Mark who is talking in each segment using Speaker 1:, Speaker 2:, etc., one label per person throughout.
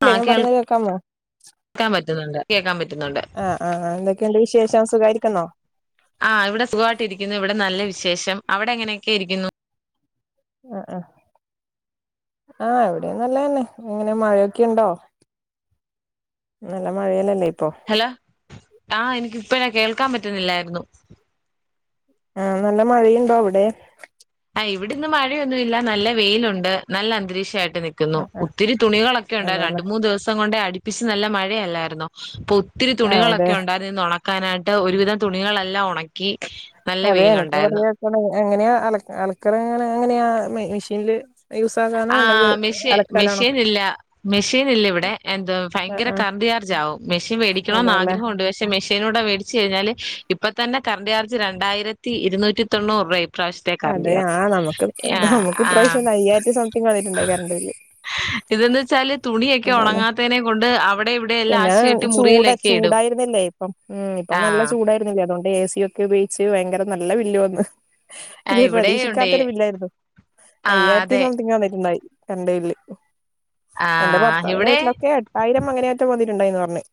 Speaker 1: ഇല്ലേ ഞാൻ പറയുന്നേ കേൾക്കാമോ
Speaker 2: ക്കാൻ പറ്റുന്നുണ്ട് കേൾക്കാൻ പറ്റുന്നുണ്ട്
Speaker 1: ആഹ് ആഹ് ആഹ് എന്തൊക്കെയുണ്ട് വിശേഷം സുഖായിരിക്കുന്നോ
Speaker 2: ആഹ് ഇവിടെ സുഖമായിട്ട് ഇരിക്കുന്നു ഇവിടെ നല്ല വിശേഷം അവിടെ എങ്ങനെയൊക്കെ ഇരിക്കുന്നു
Speaker 1: ആഹ് ആഹ് ആഹ് ഇവിടെയുംനല്ലന്നെ ഇങ്ങനെ മഴയൊക്കെ ണ്ടോ നല്ല മഴ ല്ലല്ലേ ഇപ്പം
Speaker 2: ഹലോ ആഹ് എനിക്കിപ്പഴാ കേൾക്കാൻ പറ്റുന്നില്ലായിരുന്നു
Speaker 1: ആഹ് നല്ല മഴയുണ്ടോ അവിടെ
Speaker 2: ആഹ് ഇവിടെ ഇന്ന് മഴയൊന്നുല്ല നല്ല വെയിലുണ്ട് നല്ല അന്തരീക്ഷായിട്ട് നി ക്ക്ന്നു
Speaker 1: ആഹ് ആഹ്
Speaker 2: ഒത്തിരി തുണികളൊക്കെ ഉണ്ടായിരുന്നു
Speaker 1: അതെല്ലേ
Speaker 2: രണ്ട് മൂന്ന് ദിവസം കൊണ്ടേ അടുപ്പിച്ച് നല്ല മഴയല്ലായിരുന്നോ അപ്പൊ ഒത്തിരി
Speaker 1: ആഹ് അതെ
Speaker 2: തുണികളൊക്കെ ഉണ്ടായിര്ന്ന് ഇന്ന് ഒണക്കാനായിട്ട് ഒരുവിധം തുണികളെല്ലാം ഒണക്കി
Speaker 1: അതെ എനിക്കും കൊറെ അലക്കാണ്ടായിനി എങ്ങനെയാ അല അലക്കലെങ്ങനെ എങ്ങനെയാ മെ മിഷീന്ല് യൂസാക
Speaker 2: ആഹ് മെഷി മെഷീൻ ഇല്ല മെഷീൻ ഇല്ല ഇവിടെ എന്തോ
Speaker 1: ആഹ്
Speaker 2: ഭയങ്കര
Speaker 1: ആഹ്
Speaker 2: കറണ്ട് ചാർജ് ആവും മെഷീൻ വേടിക്കണോന്ന്
Speaker 1: അതെല്ലേ
Speaker 2: ആഗ്രഹം ഉണ്ട് പക്ഷെ മെഷീനൂടെ വേടിച്ച് കഴിഞ്ഞാല് ഇപ്പ തന്നെ കറണ്ട് ചാർജ് രണ്ടായിരത്തി ഇരുന്നൂറ്റി തൊണ്ണൂറ് രൂപ യി
Speaker 1: അതെ ആ നമുക്ക്
Speaker 2: ആഹ്
Speaker 1: നമുക്ക്
Speaker 2: ആഹ്
Speaker 1: ഇപ്രാവശ്യം അയ്യായിരത്തി സംതിങ് വന്നിട്ടുണ്ടായി കരണ്ട് ബില്ല്
Speaker 2: ഇതെന്താച്ചാല് തുണിയൊക്കെ
Speaker 1: അതെല്ലേ
Speaker 2: ഉണങ്ങാത്തേനെ കൊണ്ട് അവി
Speaker 1: പിന്നെ ചൂട ചൂടായിരുന്നില്ലേ ഇപ്പം ഉം ഇപ്പം നല്ല
Speaker 2: ആഹ്
Speaker 1: ചൂടായി രുന്നില്ലേ അതുകൊണ്ട് ഏ സി ഒക്കെ ഉപയോഗിച്ച് ഭയങ്കര നല്ല ബില്ല് വന്ന് ഇത്
Speaker 2: ആഹ് ഇവിടെ ഉണ്ട്
Speaker 1: പ്രതീക്ഷിക്കാത്തൊരു ബില്ലായിരുന്നു
Speaker 2: ആഹ്
Speaker 1: അയ്യായിരത്തി
Speaker 2: അതെ
Speaker 1: സംതിങ് വന്നിട്ടുണ്ടായി കരണ്ട് ബില്ല് എന്റെ
Speaker 2: ആഹ്
Speaker 1: ഭർത്താവിന്റെ
Speaker 2: ഇവിടെ
Speaker 1: വീട്ടിലൊക്കെ എട്ടായിരം അങ്ങനെ റ്റെ വന്നിട്ടുണ്ടായീന്ന് പറഞ്ഞ്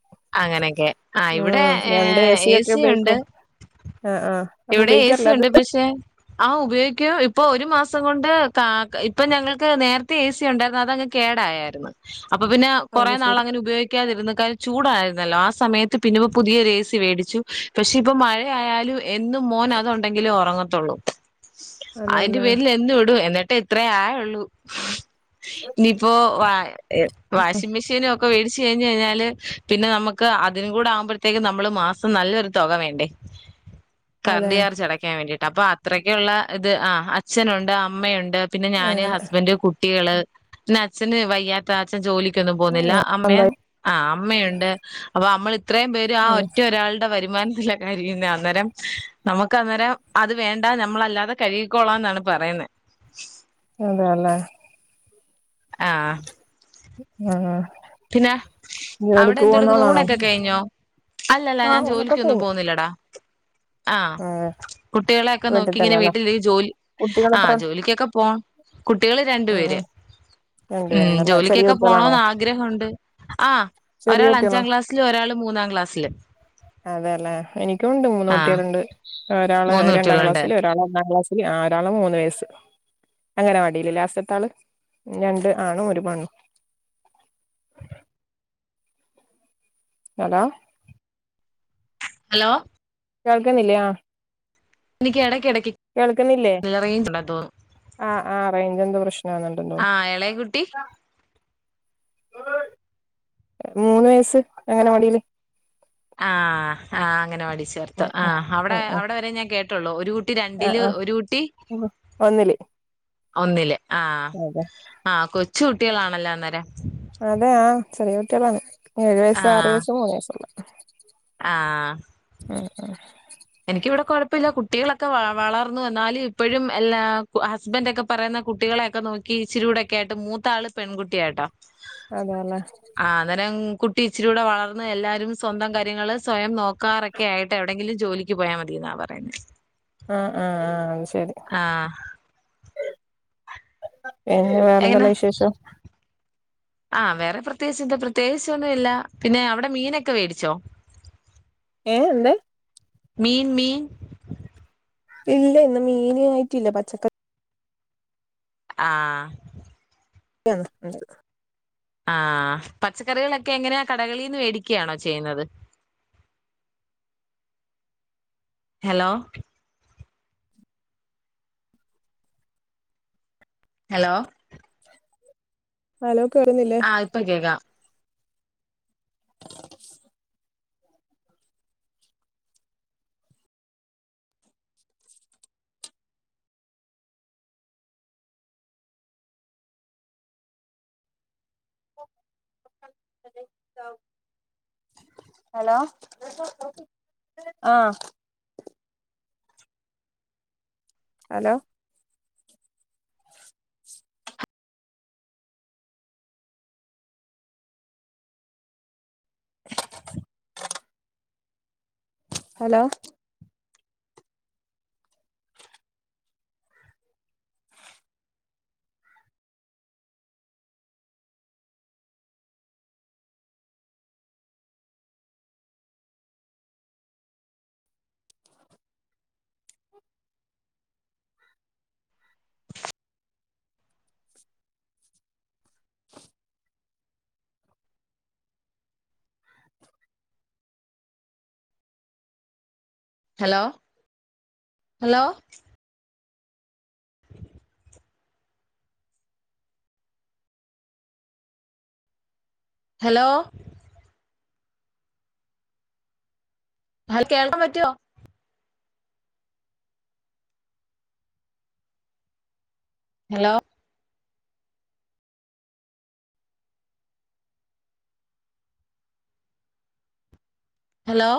Speaker 2: അങ്ങനെയൊക്കെ ആഹ് ഇവിടെ
Speaker 1: ഉം
Speaker 2: ഏ
Speaker 1: രണ്ട് എ
Speaker 2: ഏ
Speaker 1: ഒക്കെ
Speaker 2: സി ഉണ്ട്
Speaker 1: ഉപയോഗിക്കും ആഹ് ആഹ് അപ്പൊ
Speaker 2: ഇവിടെ എ സി
Speaker 1: ഉപയോഗിക്കാറില്ല അത്
Speaker 2: ഉണ്ട് പക്ഷെ ആഹ് ഉപയോഗിക്കും ഇപ്പൊ ഒരു മാസം കൊണ്ട് കാ ക്ക ഇപ്പം ഞങ്ങൾക്ക് നേരത്തെ ഏ സി ഉണ്ടായിരുന്നു അതങ്ങ് കേടായാരുന്നു അപ്പം പിന്നെ
Speaker 1: അത്
Speaker 2: കുറേ നാൾ
Speaker 1: ശരി
Speaker 2: അങ്ങനെ ഉപയോഗി ക്കാതിരുന്ന് കാര്യം ചൂടായിരുന്നല്ലോ ആ സമയത്ത് പിന്നോ പുതിയ ഓര് ഏ സി വേടിച്ചു പക്ഷെ ഇപ്പൊ മഴയാലും എന്നും മോൻ അതു ഉണ്ടെങ്കിലെ ഒറങ്ങത്തുള്ളൂ അയിന്റെ
Speaker 1: അതെല്ലേ
Speaker 2: പേരിൽ എന്നും ഇടും എന്നിട്ട് അത്ര ആയൊള്ളൂ ഇനിയിപ്പോ വ എ വാഷിംഗ് മെഷീനൊ ക്കെ വേടിച്ച് കഴിഞ്ഞ് കഴിഞ്ഞാല് പിന്നെ നമുക്ക് അതിനും കൂടെ ആവുമ്പഴത്തേക്കും നമ്മള് മാസം നല്ലൊരു തുക വേണ്ടേ
Speaker 1: അതെ
Speaker 2: കറണ്ട് ചാർജടക്കാൻ വേണ്ടിയിട്ട് അപ്പൊ അത്രയ്ക്കുള്ള ഇത് ആ അച്ഛനുണ്ട് അമ്മയു ണ്ട് പിന്നെ ഞാന് ഹസ്ബൻഡ് കുട്ടികള് പിന്നെ അച്ഛന് വയ്യാ അച്ചൻ ജോലിക്കൊന്നും പോവുന്നില്ല
Speaker 1: അങ്ങനെ
Speaker 2: അമ്മേ
Speaker 1: എന്തായി
Speaker 2: ആ അമ്മയുണ്ട് അപ്പൊ നമ്മൾ ഇത്രയും പേര് ആ ഒറ്റ ഒരാളുടെ വരുമാനത്തിലൊക്കൊര്ക്കുന്ന അന്നേരം നമുക്ക് അന്നേരം അത് വേണ്ട നമ്മളല്ലാതെ കഴുകിക്കോളാം എന്നാണ് പറയുന്നെ
Speaker 1: അതേല്ലേ
Speaker 2: ആഹ്
Speaker 1: ആഹ്
Speaker 2: പിന്നെ അവിടെ
Speaker 1: ജോലിക്ക് പോകുന്ന
Speaker 2: എന്തടക്ക
Speaker 1: ആളാണോ
Speaker 2: ഊണൊക്കെ കഴിഞ്ഞോ അല്ലല്ല
Speaker 1: ആഹ്
Speaker 2: ഞാൻ
Speaker 1: ഊണൊക്കെ
Speaker 2: ജോലിക്ക് ഒന്നും
Speaker 1: കഴിഞ്ഞു
Speaker 2: പോന്നില്ലടാ ആഹ
Speaker 1: ഉം
Speaker 2: കുട്ടികളെക്കെ
Speaker 1: വീട്ടിൽ
Speaker 2: നോക്കി ഇങ്ങനെ
Speaker 1: തന്നെല്ലേ
Speaker 2: വീട്ടിൽ ജോലി
Speaker 1: കുട്ടികൾ
Speaker 2: ആഹ
Speaker 1: എത്ര
Speaker 2: ജോലിക്കൊക്കെ പോണം കുട്ടികള് രണ്ടു
Speaker 1: ഉം ഉം
Speaker 2: പേര്
Speaker 1: രണ്ടു
Speaker 2: ഉം
Speaker 1: പേരുണ്ടല്ലേ ചെറിയ
Speaker 2: ജോലിക്കൊക്കെ
Speaker 1: കുട്ടികളാണോ
Speaker 2: പോണോന്ന ആഗ്രഹുണ്ട് ആഹ
Speaker 1: ചെറിയ
Speaker 2: ഒരാൾ
Speaker 1: കുട്ടികളാ
Speaker 2: അഞ്ചാം ക്ലാസ്സില് ഒരാള് മൂന്നാം ക്ലാസ്സില്
Speaker 1: അതെയല്ലേ എനിക്കുണ്ട്
Speaker 2: ആഹ്
Speaker 1: മൂന്നൂട്ടിള്ണ്ട് ഒരാള്
Speaker 2: മൂന്ന്
Speaker 1: രണ്ടാം
Speaker 2: കുട്ടികളുണ്ട്
Speaker 1: ക്ലാസ്സില് ഒരാള് ഒന്നാം ക്ലാസ് ആരാള മൂന്ന് വയസ്സ് അംഗനവാടില് ലാസ്റ്റത്ത ആൾ രണ്ട് ആണും ഒരു പെണ്ണും ഹലോ
Speaker 2: ഹലോ
Speaker 1: കേൾക്കുന്നില്ലേ ആഹ
Speaker 2: എനിക്ക് ഇടക്ക് ഇടക്ക് റേഞ്ച് ഇണ്ടാവുമ്പോ തോന്നും
Speaker 1: ആഹ ആഹ റേഞ്ച് എന്ത് പ്രശ്ന ഇണ്ടോ തോന്നുന്നു
Speaker 2: ആഹ് ഇളയ കുട്ടി
Speaker 1: മൂന്ന് വയസ് അംഗനവാടില്
Speaker 2: ആ ആഹ് അങ്ങനവാടി ചേർത്ത് ആ അവിടെ അവിടെ വരെ ഞാൻ കേട്ടുള്ളൂ ഒരുകു കുട്ടി
Speaker 1: ആ ആ
Speaker 2: രണ്ടില്
Speaker 1: ആ
Speaker 2: ഒരു കുട്ടി
Speaker 1: ഒന്നില്
Speaker 2: ഒന്നില് ആഹ്
Speaker 1: അതെ
Speaker 2: ആ കൊച്ച് കുട്ടികളാണല്ലോ അന്നേരം
Speaker 1: അതെയ ആ ചെറിയ കുട്ടികളാണ് ഏഴു വയസ്സ് ആറു
Speaker 2: ആഹ്
Speaker 1: വയസ്സ് മൂന്ന് വയസ്സുള്ള
Speaker 2: ആഹ്
Speaker 1: ആഹ് ആഹ്
Speaker 2: എനിക്കിവിടെ കുഴപ്പല്ല കുട്ടികളൊക്കെ വ വളർന്നു ന്നാലും ഇപ്പോഴും എല്ലാ ഹസ്ബന്റൊക്കെ പൊ പറയുന്ന കുട്ടികളെയൊക്കെ നോക്കി ഇച്ചിരിയൂടൊക്കായിട്ട് മൂത്താ ആള് പെൺകുട്ടിയ ട്ടോ
Speaker 1: അതെ ലെ
Speaker 2: ആ ന്നേരം കുട്ടി ഇച്ചിരൂടെ വളർന്ന് എല്ലാവരും സ്വന്തം കാര്യങ്ങൾ സ്വയം നോക്കാറൊക്കെ ആയിട്ട് എവിടെെങ്കിലും ജോലിക്ക് ക്ക്‌ പോയാ മതിയെ ന്നാ പറയുന്നെ
Speaker 1: ആ് ആഹ് ആ ശരി
Speaker 2: ആഹ്
Speaker 1: [unintelligible] വേറെന്തല്ല വിശേഷം
Speaker 2: ആ വേറെ പ്രത്യേകിച്ച് എന്താ പ്രത്യേകിച്ചൊന്നും ഇല്ല പിന്നെ അവിടെ മീനൊക്കെ മേടിച്ചോ
Speaker 1: ഏ എന്ത്‌
Speaker 2: മീൻ മീൻ
Speaker 1: ഇല്ല ഇന്ന് മീന് ആയിട്ടില്ല പച്ചക്ക
Speaker 2: ആഹ
Speaker 1: [unintelligible]
Speaker 2: ആഹ പച്ചക്കറികളൊക്കെ എങ്ങനെയാ കടകളിന്ന് മേടിക്കുകയാണോ ചെയ്യുന്നത് ഹലോ ഹലോ
Speaker 1: ഹലോ കേൾക്ക്ന്നില്ല
Speaker 2: അത്പ്പ കേക്കാ
Speaker 1: ഹലോ ആഹ് hello hello
Speaker 2: hello hello hello ഹൽ കേൾക്കാൻ പറ്റുവോ ഹലോ ഹലോ